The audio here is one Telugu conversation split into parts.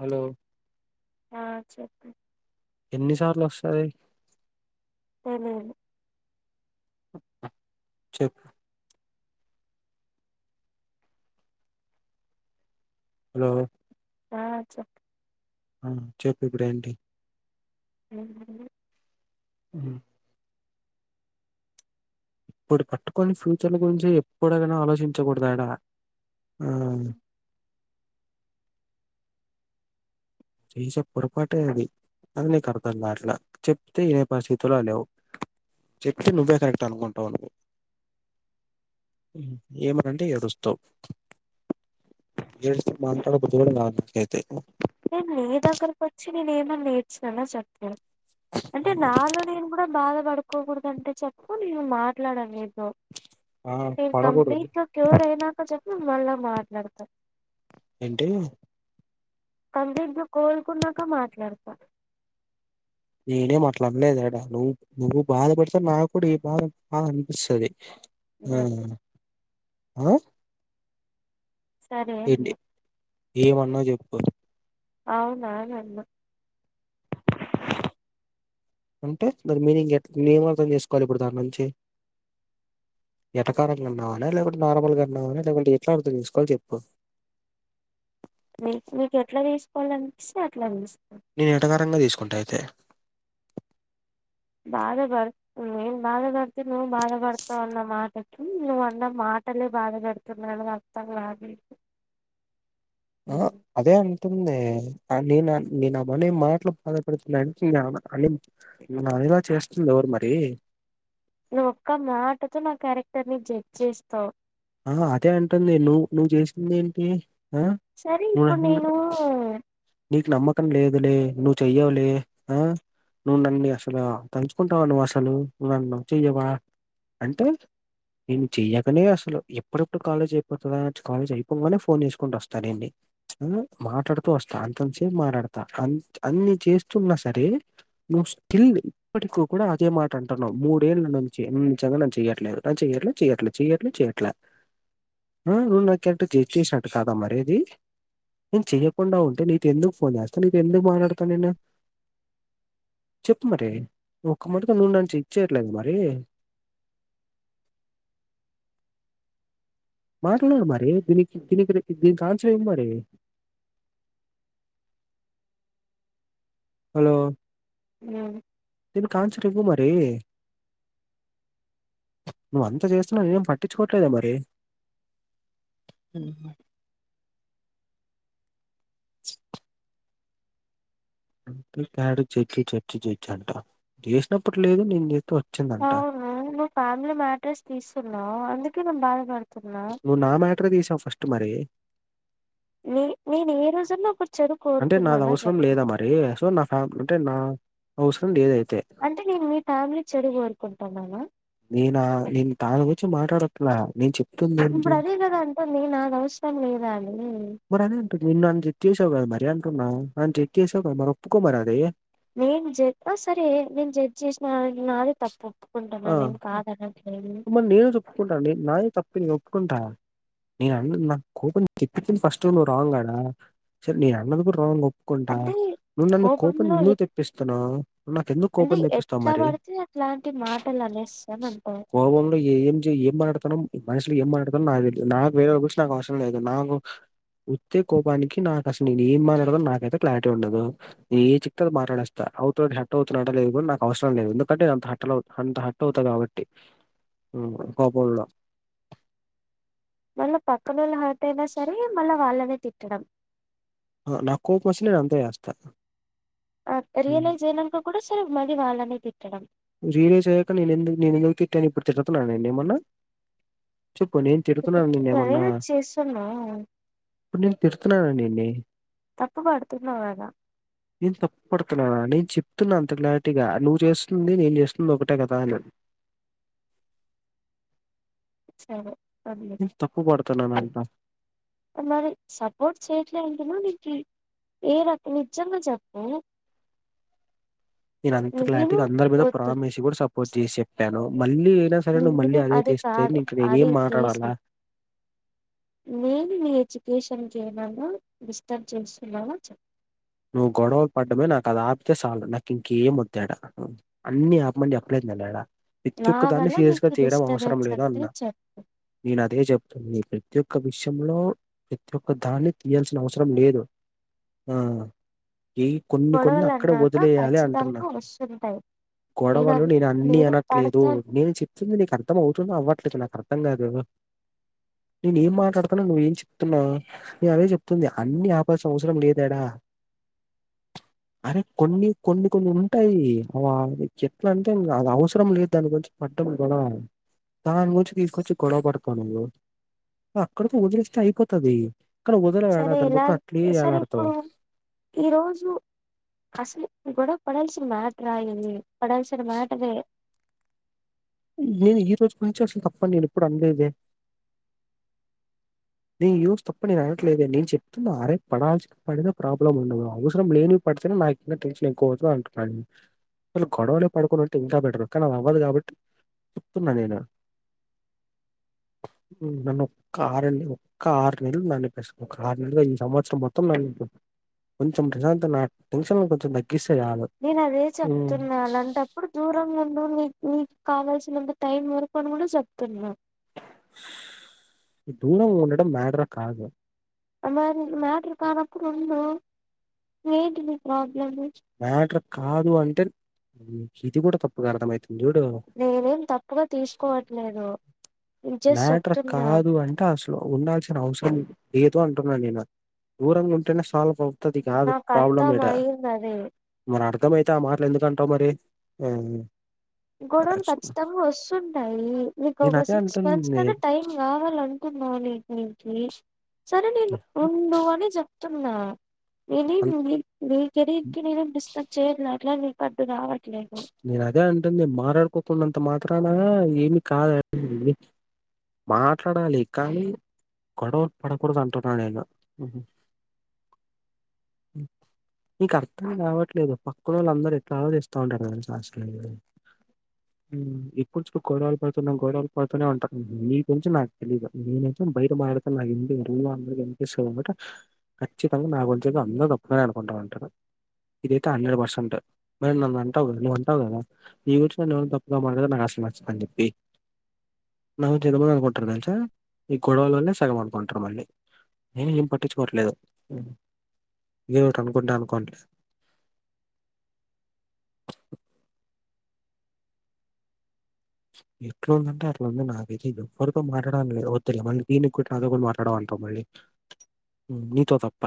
హలో ఆ చెప్పు ఎన్నిసార్లు వస్తది తెలీదు చెప్పు హలో ఆ చెప్పు ఆ చెప్పు ఇప్పుడు ఏంటి ఎం లేదు ఉమ్ ఇప్పుడు పట్టుకొని ఫ్యూచర్ల గురించి ఎప్పుడే గానీ ఆలోచించకూడదు ఆడ ఆ చేసే పొరపాటె అది అది నీకు అర్థం కావట్ల చెప్తే ఇనే పరిస్థితులో లేవు చెప్తే నువ్వే కరెక్ట్ అనుకుంటావు నువ్ ఏమైన అంటే ఏడుస్తావు ఏడిస్తే మాట్లాడబుద్ది కూడా కాదు నాకైతే నేను నీ దగ్గరకు వచ్చి నేను ఏమన్నా ఏడ్చినాన చెప్పు అంటే నాలో నేను కూడా బాధ పడుకోకూడదంటే చెప్పు నేను మాట్లాడను ని తో ఆ నేను పడకూడదు కంప్లీట్ గా క్యూర్ అయినాక చెప్పు నేను మళ్ళా మాట్లాడతా ఏంటి కంప్లీట్ గా కోలుకున్నాక మాట్లాడతా నేనేం అట్లా అనలేదు యాడ నువ్వు నువ్వు బాధపడితే నాకుడ ఈ బాధ బాధ అనిపిస్తది అ వద్దు. ఆ సరే అన్య ఏమన్న చెప్పు అవునా అని అన్నా అంటే దాని మీనింగ్ ఎట్ నేనేమర్థం చేసుకోవాలి ఇప్పుడు దాని నుంచి ఏటకారంగా అన్నావన లేకుంటే నార్మల్ గా అన్నావన లేకుంటే ఎట్లా అర్థం చేసుకోవాలో చెప్పు మీ మీకు ఎట్లా తీసుకోవాలి అనిపిస్తే అట్లా తీస్ నేను ఏటకారంగా తీసుకుంటా అయితే బాధ పడ్ నేను బాధ పడ్తే నువ్వు బాధ పడ్తావ్ అన్న మాటకి నువ్ అన్న మాట నే బాధ పెడుతున్న అని అర్థం కాలేదు ఆ అదే అంటుంది ఆ నెను నిన్ అ మని మా ట్ బాధపడుతున్న అంటె నిన్ అని నేన్ అనే లా చేస్తుంది ఎవరు మరి నువ్ ఒక్క మాటతో నా క్యారెక్టర్ ని జడ్జ్ చేస్తావ్ అ హా అదే అంటుంది నువ్వు నువ్వు చేసింది ఏంటి ఆ సరే నువ్ ఇప్పుడు నని నేను నీకు నమ్మకం లేదులే నువ్వు చెయ్యవులే ఆ నువ్వు నన్ను అసలు తంచుకుంటావా నువ్వు అసలు నువ్వు నన్ను లవ్ చెయ్యవా అంటే నేను చెయకనే అసలు ఎప్పుడప్పుడు కాలేజ్ అయిపోతద కాలేజ్ అయిపోగానే ఫోన్ చేసుకుంటూ వస్తా నిన్ని ఆ మాట్లాడుతూ వస్ అంతత సేపు మాట్లాడతా అన్ అన్ని చేస్తున్నా సరే నువ్ స్టిల్ ఇప్పటికు కూడా అదే మాట అంటన్నావు మూడేళ్ళ నుంచి నువ్ నిజం గా నన్ను చెయ్యట్లేదు నన్ను చెయట్లే చెయట్లే చెయ్యట్లే చెయట్లే ఆ నువ్ నాకు చెడ్డ చెయ్ చేసినట్టు కాదా మరి ఇది నేను చెయ్యకుండా ఉం నేన్ నీతే ఎందుకు ఫోన్ చేస్తా నీతో ఎందుకు మాట్లాడతా నిను చెప్ మరి ఒక్క మటుక నూ నద్ చెక్చేయట్లెద మరీ మాట్డర మరి దిని దీనికి దిననికి దీన్కాన్సర్ ఏంటి మరి అలో ఆ దీన్కాన్స్ర్ చపు మరీ నువ్వంతా జేస్న నేం పట్టించుకోట్లేదె మరి మ్ యడు చచ్చి చచ్చి చేచ్చి అంట చేస్నప్పుడు లేదు నేను చేతె ఒ ఔను ను ఫ్యామిలీ మ్యాటర్స్ తీస్తున్నవ్ అందుకే నన్ బాధప ను నా మ్యాటర్ తీసావు ఫస్ట్ మరీ ని నెనే రోజన్నా అంటె నాదవస్రం లేదా మరీ సొ నా ఫ్యామ్ అంటె నా అవస్రం లేదై అంటే నేను మీ ఫ్యామిలీ చెడు కోరుకుంటన్ననా నేనా నేన్ తాన్గుచ్చి మాటాడట్లె నేన్ చెప్ ఇప్పుడదే గదా అంటుంది నాదవస్రం లేదానీ మరి అదే అంటుంది నిన్ను నన్ జడ్జ్ చేసావ్ గద్ మరీ అంటున్నా అంతె చెసావు గదా మరి ఒప్పుకోమరి అదీ నేను జడ్ ఆ సరే నేను జడ్జ్ చేసిన నాది తప్పు ఆ ఒప్పుకుంటున్నాను ఏం కాదనట్లేదు మరి నేనేజప్పుకుంటాన్ నె నాదె తప్పు నేనోప్పుకుంట నేను అన్ నాక్ కోపం తెప్పింత్తె ఫస్ట్ నువ్ రాంగ్ ఆడా సర్ నేనన్నది గుడా రాంగ్ కుంట అంటే నువ్ నన్ను కోపం కోపంలో ఎ ఎందుకు తెప్పిస్తున్నావ్ నూ నాకెందుకు అంటే కోపం తెప్పిస్తావ్ ఎట్లా మరీ పడితే అట్లాంటి మాటలు అనేస్తాం అనుకో కోవంలో ఏం చేయ్ ఏం మాట్డుతన్నాం మనిష్ ఎమ్మటాడ్తనో నాక్ తెలీదు నాక్ వెరోర్ గురించి అవస్రం లేదు నాకు ఒత్తే కోపానికి నాకసలు నేనెం మాట్లాడతనో నాకైతే క్లారిటీ ఉండదూ నే ఏ చిప్తే అ మాట్లాడేస్తా అవుత హట్టౌవుతున్నడా లేదు గూడ నాకవస్రం లేదు ఎందుకంటే ఎ అంత హట్టలౌ అంత హ ఔతా గాబట్టి కోపంలో మళ్ళ పక్కనోళ్ళు హాట్టైనా సరే మళ్ళా వాళ్ళనే తిట్టడం అ నాకోపం ఒచ్చిన నేనంతే చేస్తా హ్మ్. రియలైజ్ ఐనంక కూడా సరే మళ్ళీ వాళ్ళనే తిట్టడం రీయలేజ్ ఐయ్యాక నేనెందుకు నేనెం తిట్టానిప్పుడు తిట్తున్నాన నేనమన్నా చెప్పు నేన్ ఇప్పుడు తిడుతున్నాన ఇప్పుడు అదే నిన్నేమన్నా నువ్వు చేస్తున్నావ్ ప్పునేన్ తిర్తున్నాన నిన్ని తప్పు పడుతున్నావు కదా నేన్ తప్పుడుతున్నానా నేన చెప్తున్నా అంతె క్లారిటీగ నువ్వు జేస్ స్తుంది నేన్జేస్తుంది ఒకటే కదాని సరె తప్పు పడుతున్నానంట మరి సపోర్ట్ చేయట్లే అంటేనో నేన్ తి ఏ నక్ నిజంగా చెప్పూ నేను అంత క్లార్టిగ నేను అందరి మీద వద్దు ప్రామిస్ గుడా సపోర్ట్ జెసి చెప్పాను మళ్ళీ ఐనా సరే నువ్వు నేను మళ్ళీ అదే అది తీస్తే కాదు ఇంక నేనెం మాట్లాడాలా నేన్ నీ ఎజుకేషన్కి ఏమన డిస్టర్బ్ చేస్తున్నాన చెప్ నువ్వు గొడవ పడ్డమే నాకది ఆపితే సాలు నాకింకేం ఒద్దాడా అన్నీ ఆపమనీ జెప్ డ ప్రతి నా ఒక్క దాన్ని వల్ల సీరియస్గా నీకు తీయడం అవసరం డిస్టర్బెన్స్ లేదు అంటే అన్నా చెప్పు నేను అదే జేప్ న ప్రతి ఒక్క విషంలో ప్రతి ఒక్క దాన్ని తీయాల్సిన అవ్సరం లేదు ఆ ఎ కొన్ని కొన్ని గొడవలు అక్కడె అన్నాక ఒదిలేయాలి అంటున్నా ఖచ్చితంగా వస్తుంటాయి నేను గొడవలు అది నేనన్నీ నేను అనట్లేదూ పడతాను నేన్ చెప్తుంది నీకు అర్థం అవుతుంద అవ్వట్ ట్లేద నాకర్థం గాదు నేను ఏం మాట్లాడుతున్నాను నువ్వు ఏం చెప్తున్నావు నే అదే చెప్తుంది అన్ని ఆపాల్సిన అవసరం లేదేడా, అరే కొన్ని కొన్ని కొన్ని ఉంటాయి అవా ఎట్లంటే అది అవసరం లేదు దాని గు రించి [unintelligible] దానిగుంచి తీసుకొచ్చి గొడవ పడతావు నువ్వు అక్కడికి వదిలేస్తే అయిపోతది ఎక్కడ వదలవు యాడ సరే దాన్ని ఎలా బట్టుకొని అట్లే సరే ఏలాడతావ్ ఇప్పుడు ఈ రోజు అసలు గొడవ పడాల్సిన మ్యాటరా ఇది పడాల్సిన మ్యాటరే నేను ఈ రోజు గురించి అస్సలు తప్పని నేను ఎప్పుడు అనలేదే నేను ఈ రోజు తప్పని నేను అనట్లేదే నేను చెప్తున్నా అరే పడాల్సిన పడిన ప్రాబ్లం ఉండదు, అవసరం లేనివి పడితేనే నాకు ఇంగ టెన్షన్ ఎక్కువ అవుతది అంటున్నాన్ అసలు గొడవలే పడుకునింటే ఇంకా బెటరు కానీ అది అవ్వదు కాబట్టి చెప్తున్నా నేను ఉమ్ నన్ను ఒక్క ఆరు నెళ్ళుగా ఒక్క ఆరు నెల్లు నానొప్పేస్సావ్ ఒక ఆరు నెల్లు ఈ సంవత్సరం మొత్తం నన్నేంటవ్ కొంచెం ప్రశాంతంగా నా టెన్షన్లు కొంచెం తగ్గిస్ నేను అదే చెప్తున్నా అలాంటప్పుడు దూరంగుండు నీ నీ కావల్సినంత టైం వరకు అని కూడా చెప్తున్నా ఈ దూరం ఉండడం మాటరే కాదు అ మరి మ్యాటర్ కానప్పుడు ఉండు ఏంటిది మ్యాటర్ కాదు అంటే ఇది కూడా తప్పక అర్థమైతద్ నేనేం తప్పుగా తీసుకోవట్లేదు నేను జస్ట్ మ్యాటర్ చెప్తున్నా కాదు అంటే అసలు ఉండాల్సిన అవసరం లే ఏదో అంటున్నాను నేను దూరంగా ఉంటేనే సాల్వ్ తది కాదు నాకు ప్రాబ్లమ్ అర్థం ఈడ అయింది అది మర్ అడ్ అర్థమైతే ఆ మాటలు ఎందుకంటవ్ మరి ఆ గొడవలు కఖచ్చితంగా వస్తుంటాయి నీకో నేను అదే విష కొంచెం అంటుంది అయినా టై కావాల్ అంటున్న నీకి [unintelligible] సర్ అరే నేను ఉండు అని చెప్తున్నా ఏంది అన్ నీ నీ కేరియర్ కి నేన్నేం డిస్టర్బ్ చేయట్లే అట్ల నికి అర్ద కావట్లే నేను అదే అన్ టుందేమా మారలాడుకోకుంన్నంత మాత్రాన ఏమి కాద్ [unintelligible] మాట్లాడాలి కానీ గోడవ పడకూడదు అంటున నేను నీకు అర్థం కావట్లేదు పక్కనోళ్ళు అందరు ఎట్లా ఆలోచిస్త్ తండారు తెల్సా అసలు హ్మ్ ఎప్పుడు చూడు గోడలు పడుతున్నా గోడవలు పడుతూనే ఉంటారు మీక్ తెల్సు నాకు తెలియదు నేనైతే బైట మాటడకుండా [unintelligible] వినిపిస్త్ ఖచ్చితంగా నా గురించి అందరు తప్పుగానే అనుకుంటాను అంటను ఇదియితే హండ్రెడ్ పర్సెంట్ మరి నాన్ ఉంటావ్ కదా నువ్వుంటావుకదా నీ గురించి ఎవరైనా న తప్పుగా మాట్లాడితే నాకు అసలు నచ్చదు అని చెప్పి నా గురించి జనం ఏం అనుకుంట్రతెల్సా ఈ గొడవల్నే సగం అనుకుంట్ర మళ్ళీ నేను ఏం పట్టించుకోవట్లేదు ఏదో ఒకటి అనుకుంటే అనుకోట్లేదు ఎట్లా ఉందంటే అట్లా ఉంది నాకైతే ఎవ్వరితో మాట్డాలి అని లేదు మళ్ళీ దీనికి కూడా నాతో కూడా మాట్లాడవా మళ్ళీ నీతో తప్ప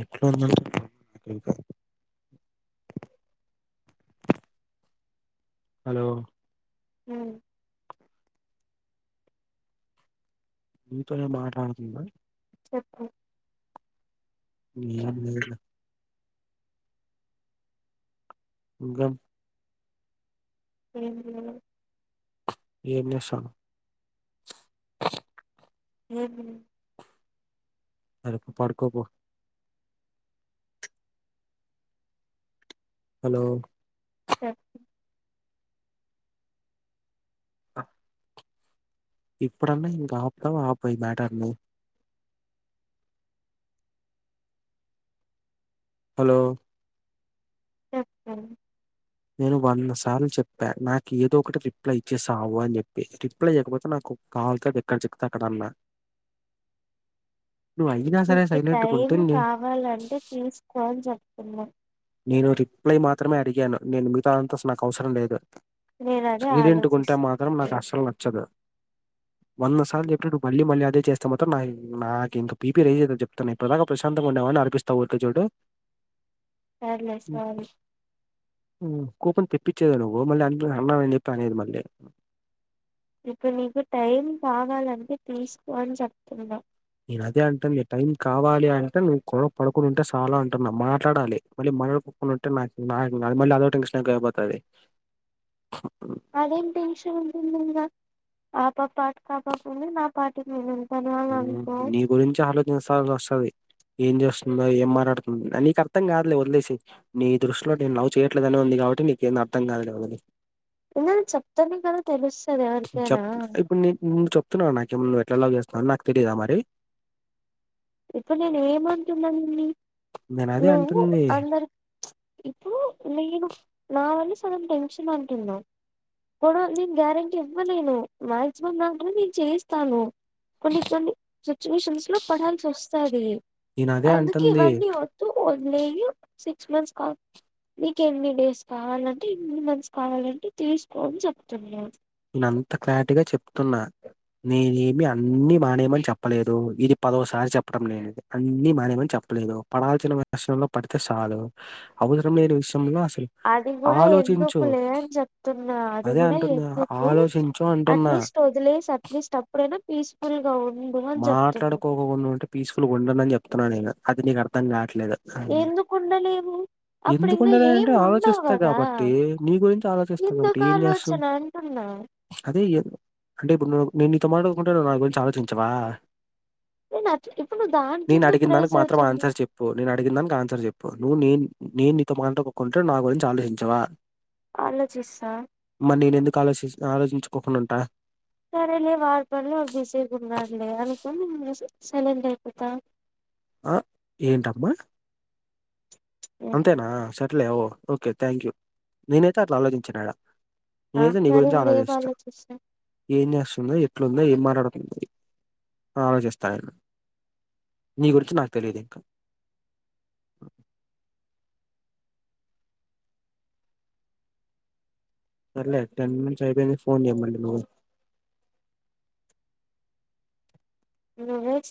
ఎట్లు న్న ఇంక హలో అ మీతోనే మాట్లాడుతుందా చెప్పు ఎం లేదు లే ఇంకాం ఎం లేదు ఎం చేస్తానవ్ ఎం లేదు సరే పడుకోపో హలో చెప్పు ఆ ఇప్పుడన్నా ఇంకా ఆప్తావ ఆపవ ఈ మటర్ని హలో చెప్తా నేను వంద సార్లు చెప్పా నాకు ఏదో ఒకటి రిప్లై ఇచ్చేసావు అని చెప్పి రిప్లై చేయకపోతే నాకు కాల్తాది ఎక్కడ చికుతే అక్కడ అన్నా నువ్వు అయినా సరే నీకి సైలెంట్గా టైం ఉంటే నే కావాలంటే తీసుకో అని చెప్తున్నా నేను రిప్లై మాత్రమే అడిగాను నేను మిగతా అంత నాకు అవసరం లేదు నేను అదే సైలెంటుగుంటే ఆలోచిస్తా మాత్రం నాకు అసలు నచ్చదు వంద సార్లు చెప్పినప్పుడు నువ్ మళ్ళి మళ్ళి అదే చేస్తే మాత్రం నాకు ఇంక పీపీ రేజైతది చెప్తన్నా ఇప్పాడి దాక ప్రశాంతంగ ఉండే నిఏమన్నా అర్పిస్తావ్ ఊరికో చోటు సర్లే సారీ కోపం తెప్పించేదే నువ్వు మళ్ళీ అ అన్నానని చెప్పి అనేది మళ్ళీ ఇప్పుడు నీకు టైం కావాలంటే తీసుకో అని చెప్తున్నా నేను అదే అంటాంది టైం కావాలి అంటే నువ్ గొడవ పడుకుండా ఉంటే చాలా అంటున్నా మాట్లాడాలి మళ్ళీ మటడ్ కునుటే నాక్ నాక్ మళ్ళ అదో టెక్షన్ ఐపోతది అదేం టెన్షన్ ఉంటుంది ఇంగ ఆ పాప అటు పక్కకుంది నా పాటిలి నేను ఉంటాను అని హు అనుకో నీ గురించి ఆలోచిస్త నోస్తది ఏం చేస్తుందో ఏం మాట్లాడుతుందో నీకు అర్థం కాదు లే వదిలేసై నీ దృష్టిలో నేను లవ్ చేయట్లేదని ఉంది కా ట్టి నీకేం అర్థం కాదు లే వదిలేయ్ ఏమైనా చెప్తేనే కదా తెలుస్ చెప్ ఇప్పుడు న్ ను్ చెప్తున్నావ నాకేమన నువ్ ఎట్లా లవ్ చేస్తున్నా అని నాకు తెలీదా మరి ఇప్పుడు నేను ఏమంటున్నా నిన్ని నేను అదే నువ్వు అంటుంది. అందరు ఇప్పు నేను నా వళ్ళ సగం టెన్షన్ అంటున్నవ్ గోవల్ నేను గ్యారెంటీ ఇవ్వలేను మాక్సిమం మాత్రం నేను చేస్తాను కొన్ని కొన్ని సిచ్యుయేషన్స్ లో పడాల్సి ఒస్తాది నేను అదే అందుకే అంటుంది. ఇవన్నీ వదిలేయు సిక్స్ మంత్స్ కా నీకు ఎన్ని డేస్ కావాలంటే ఎన్ని మంత్స్ కావాలంటే తీసుకో అని చెప్తున్నా నేను అంత క్లారిటీగా చెప్తున్నా నేనేమి అన్నిీ మానేయమని చెప్పలేదు ఇది పదోసారి చెప్పడం నేను ఇది అన్నిీ మానేయ్ మని చెప్పలేదు పడాల్సిన వర్షన్లో పడితే చాలు అవసరం లేని విష అది కూడా ఎందుకులే అని చెప్తున్నా అది అదే కూడా అంటున్నా. ఎందుక్ హు ఆలోచించు అంటున్నా. అట్లీస్ట్ వదిలేస్ అట్లీస్ట్ అప్పుడైనా పీస్ఫుల్ గా ఉ మాట్లాడుకోకున్న ఉంటేీ పిస్ఫుల్గా ఉండనని చెప్తున్నా నేను అది నీకు అర్థం కాట్లే దు ఎందుకు ఉండలేవు అప్పుడు ఇంకా ఎందుకుండేదే ఏం అంటే ఉండవు ఆలోచిస్తా కదా కాబట్టి నీ గురించి ఆ ఆలోచిస్తా కాబట్టి ఎందుకు ఏం చేస్తమ్ ఆలోచన అంటున్నా అదే ఎ అంటే ఇప్పుడున్ నేను నీతోమాటోకుంటే నువ్ నా గురించి ఆలోచించవా నేను అట్లా ఇప్పుడు నువ్వు దానికి నేను ఎందుకు అడిగిన దానికి రైజ్ మాత్రం అవుతున్నావ్ ఆన్సర్ చెప్పు నేను అడిగిన దానికి ఆన్సర్ చెప్పు నువ్వు నేను నేను నీతో మాట్లాడుకోకుంటే నువ్ నా గురించి ఆలోచించవా ఆలోచిస్తా నేను ఎందుకు ఆలోచిస్ ఆలోచించుకోకుండా ఉంటా సరేలే వాడి పనీలో వాడు బిసిగిగున్నాడులే అనుకొని సెలెంట్ అయి పోతా ఆ ఏంటమ్మా అంతేనా సర్లే ఓ ఓకే థ్యాంక్ యూ నేనైతే అట్లా ఆలోచించను యాడ నేనైతే నీ మరి గురించె ఇంకేం ఆలోచిస్తా ఏం జేస్తుందో ఎట్ల్ ట్లుందో ఎం మాట్లాడుంది ఆలోచిస్తా నీ గురించి నాకు తెలియదు ఇంక సర్లే టెన్ మినిట్స్ అయిపేయింది ఫోన్ జెయ్యి మళ్ళీ నువ్వు నువ్వే చే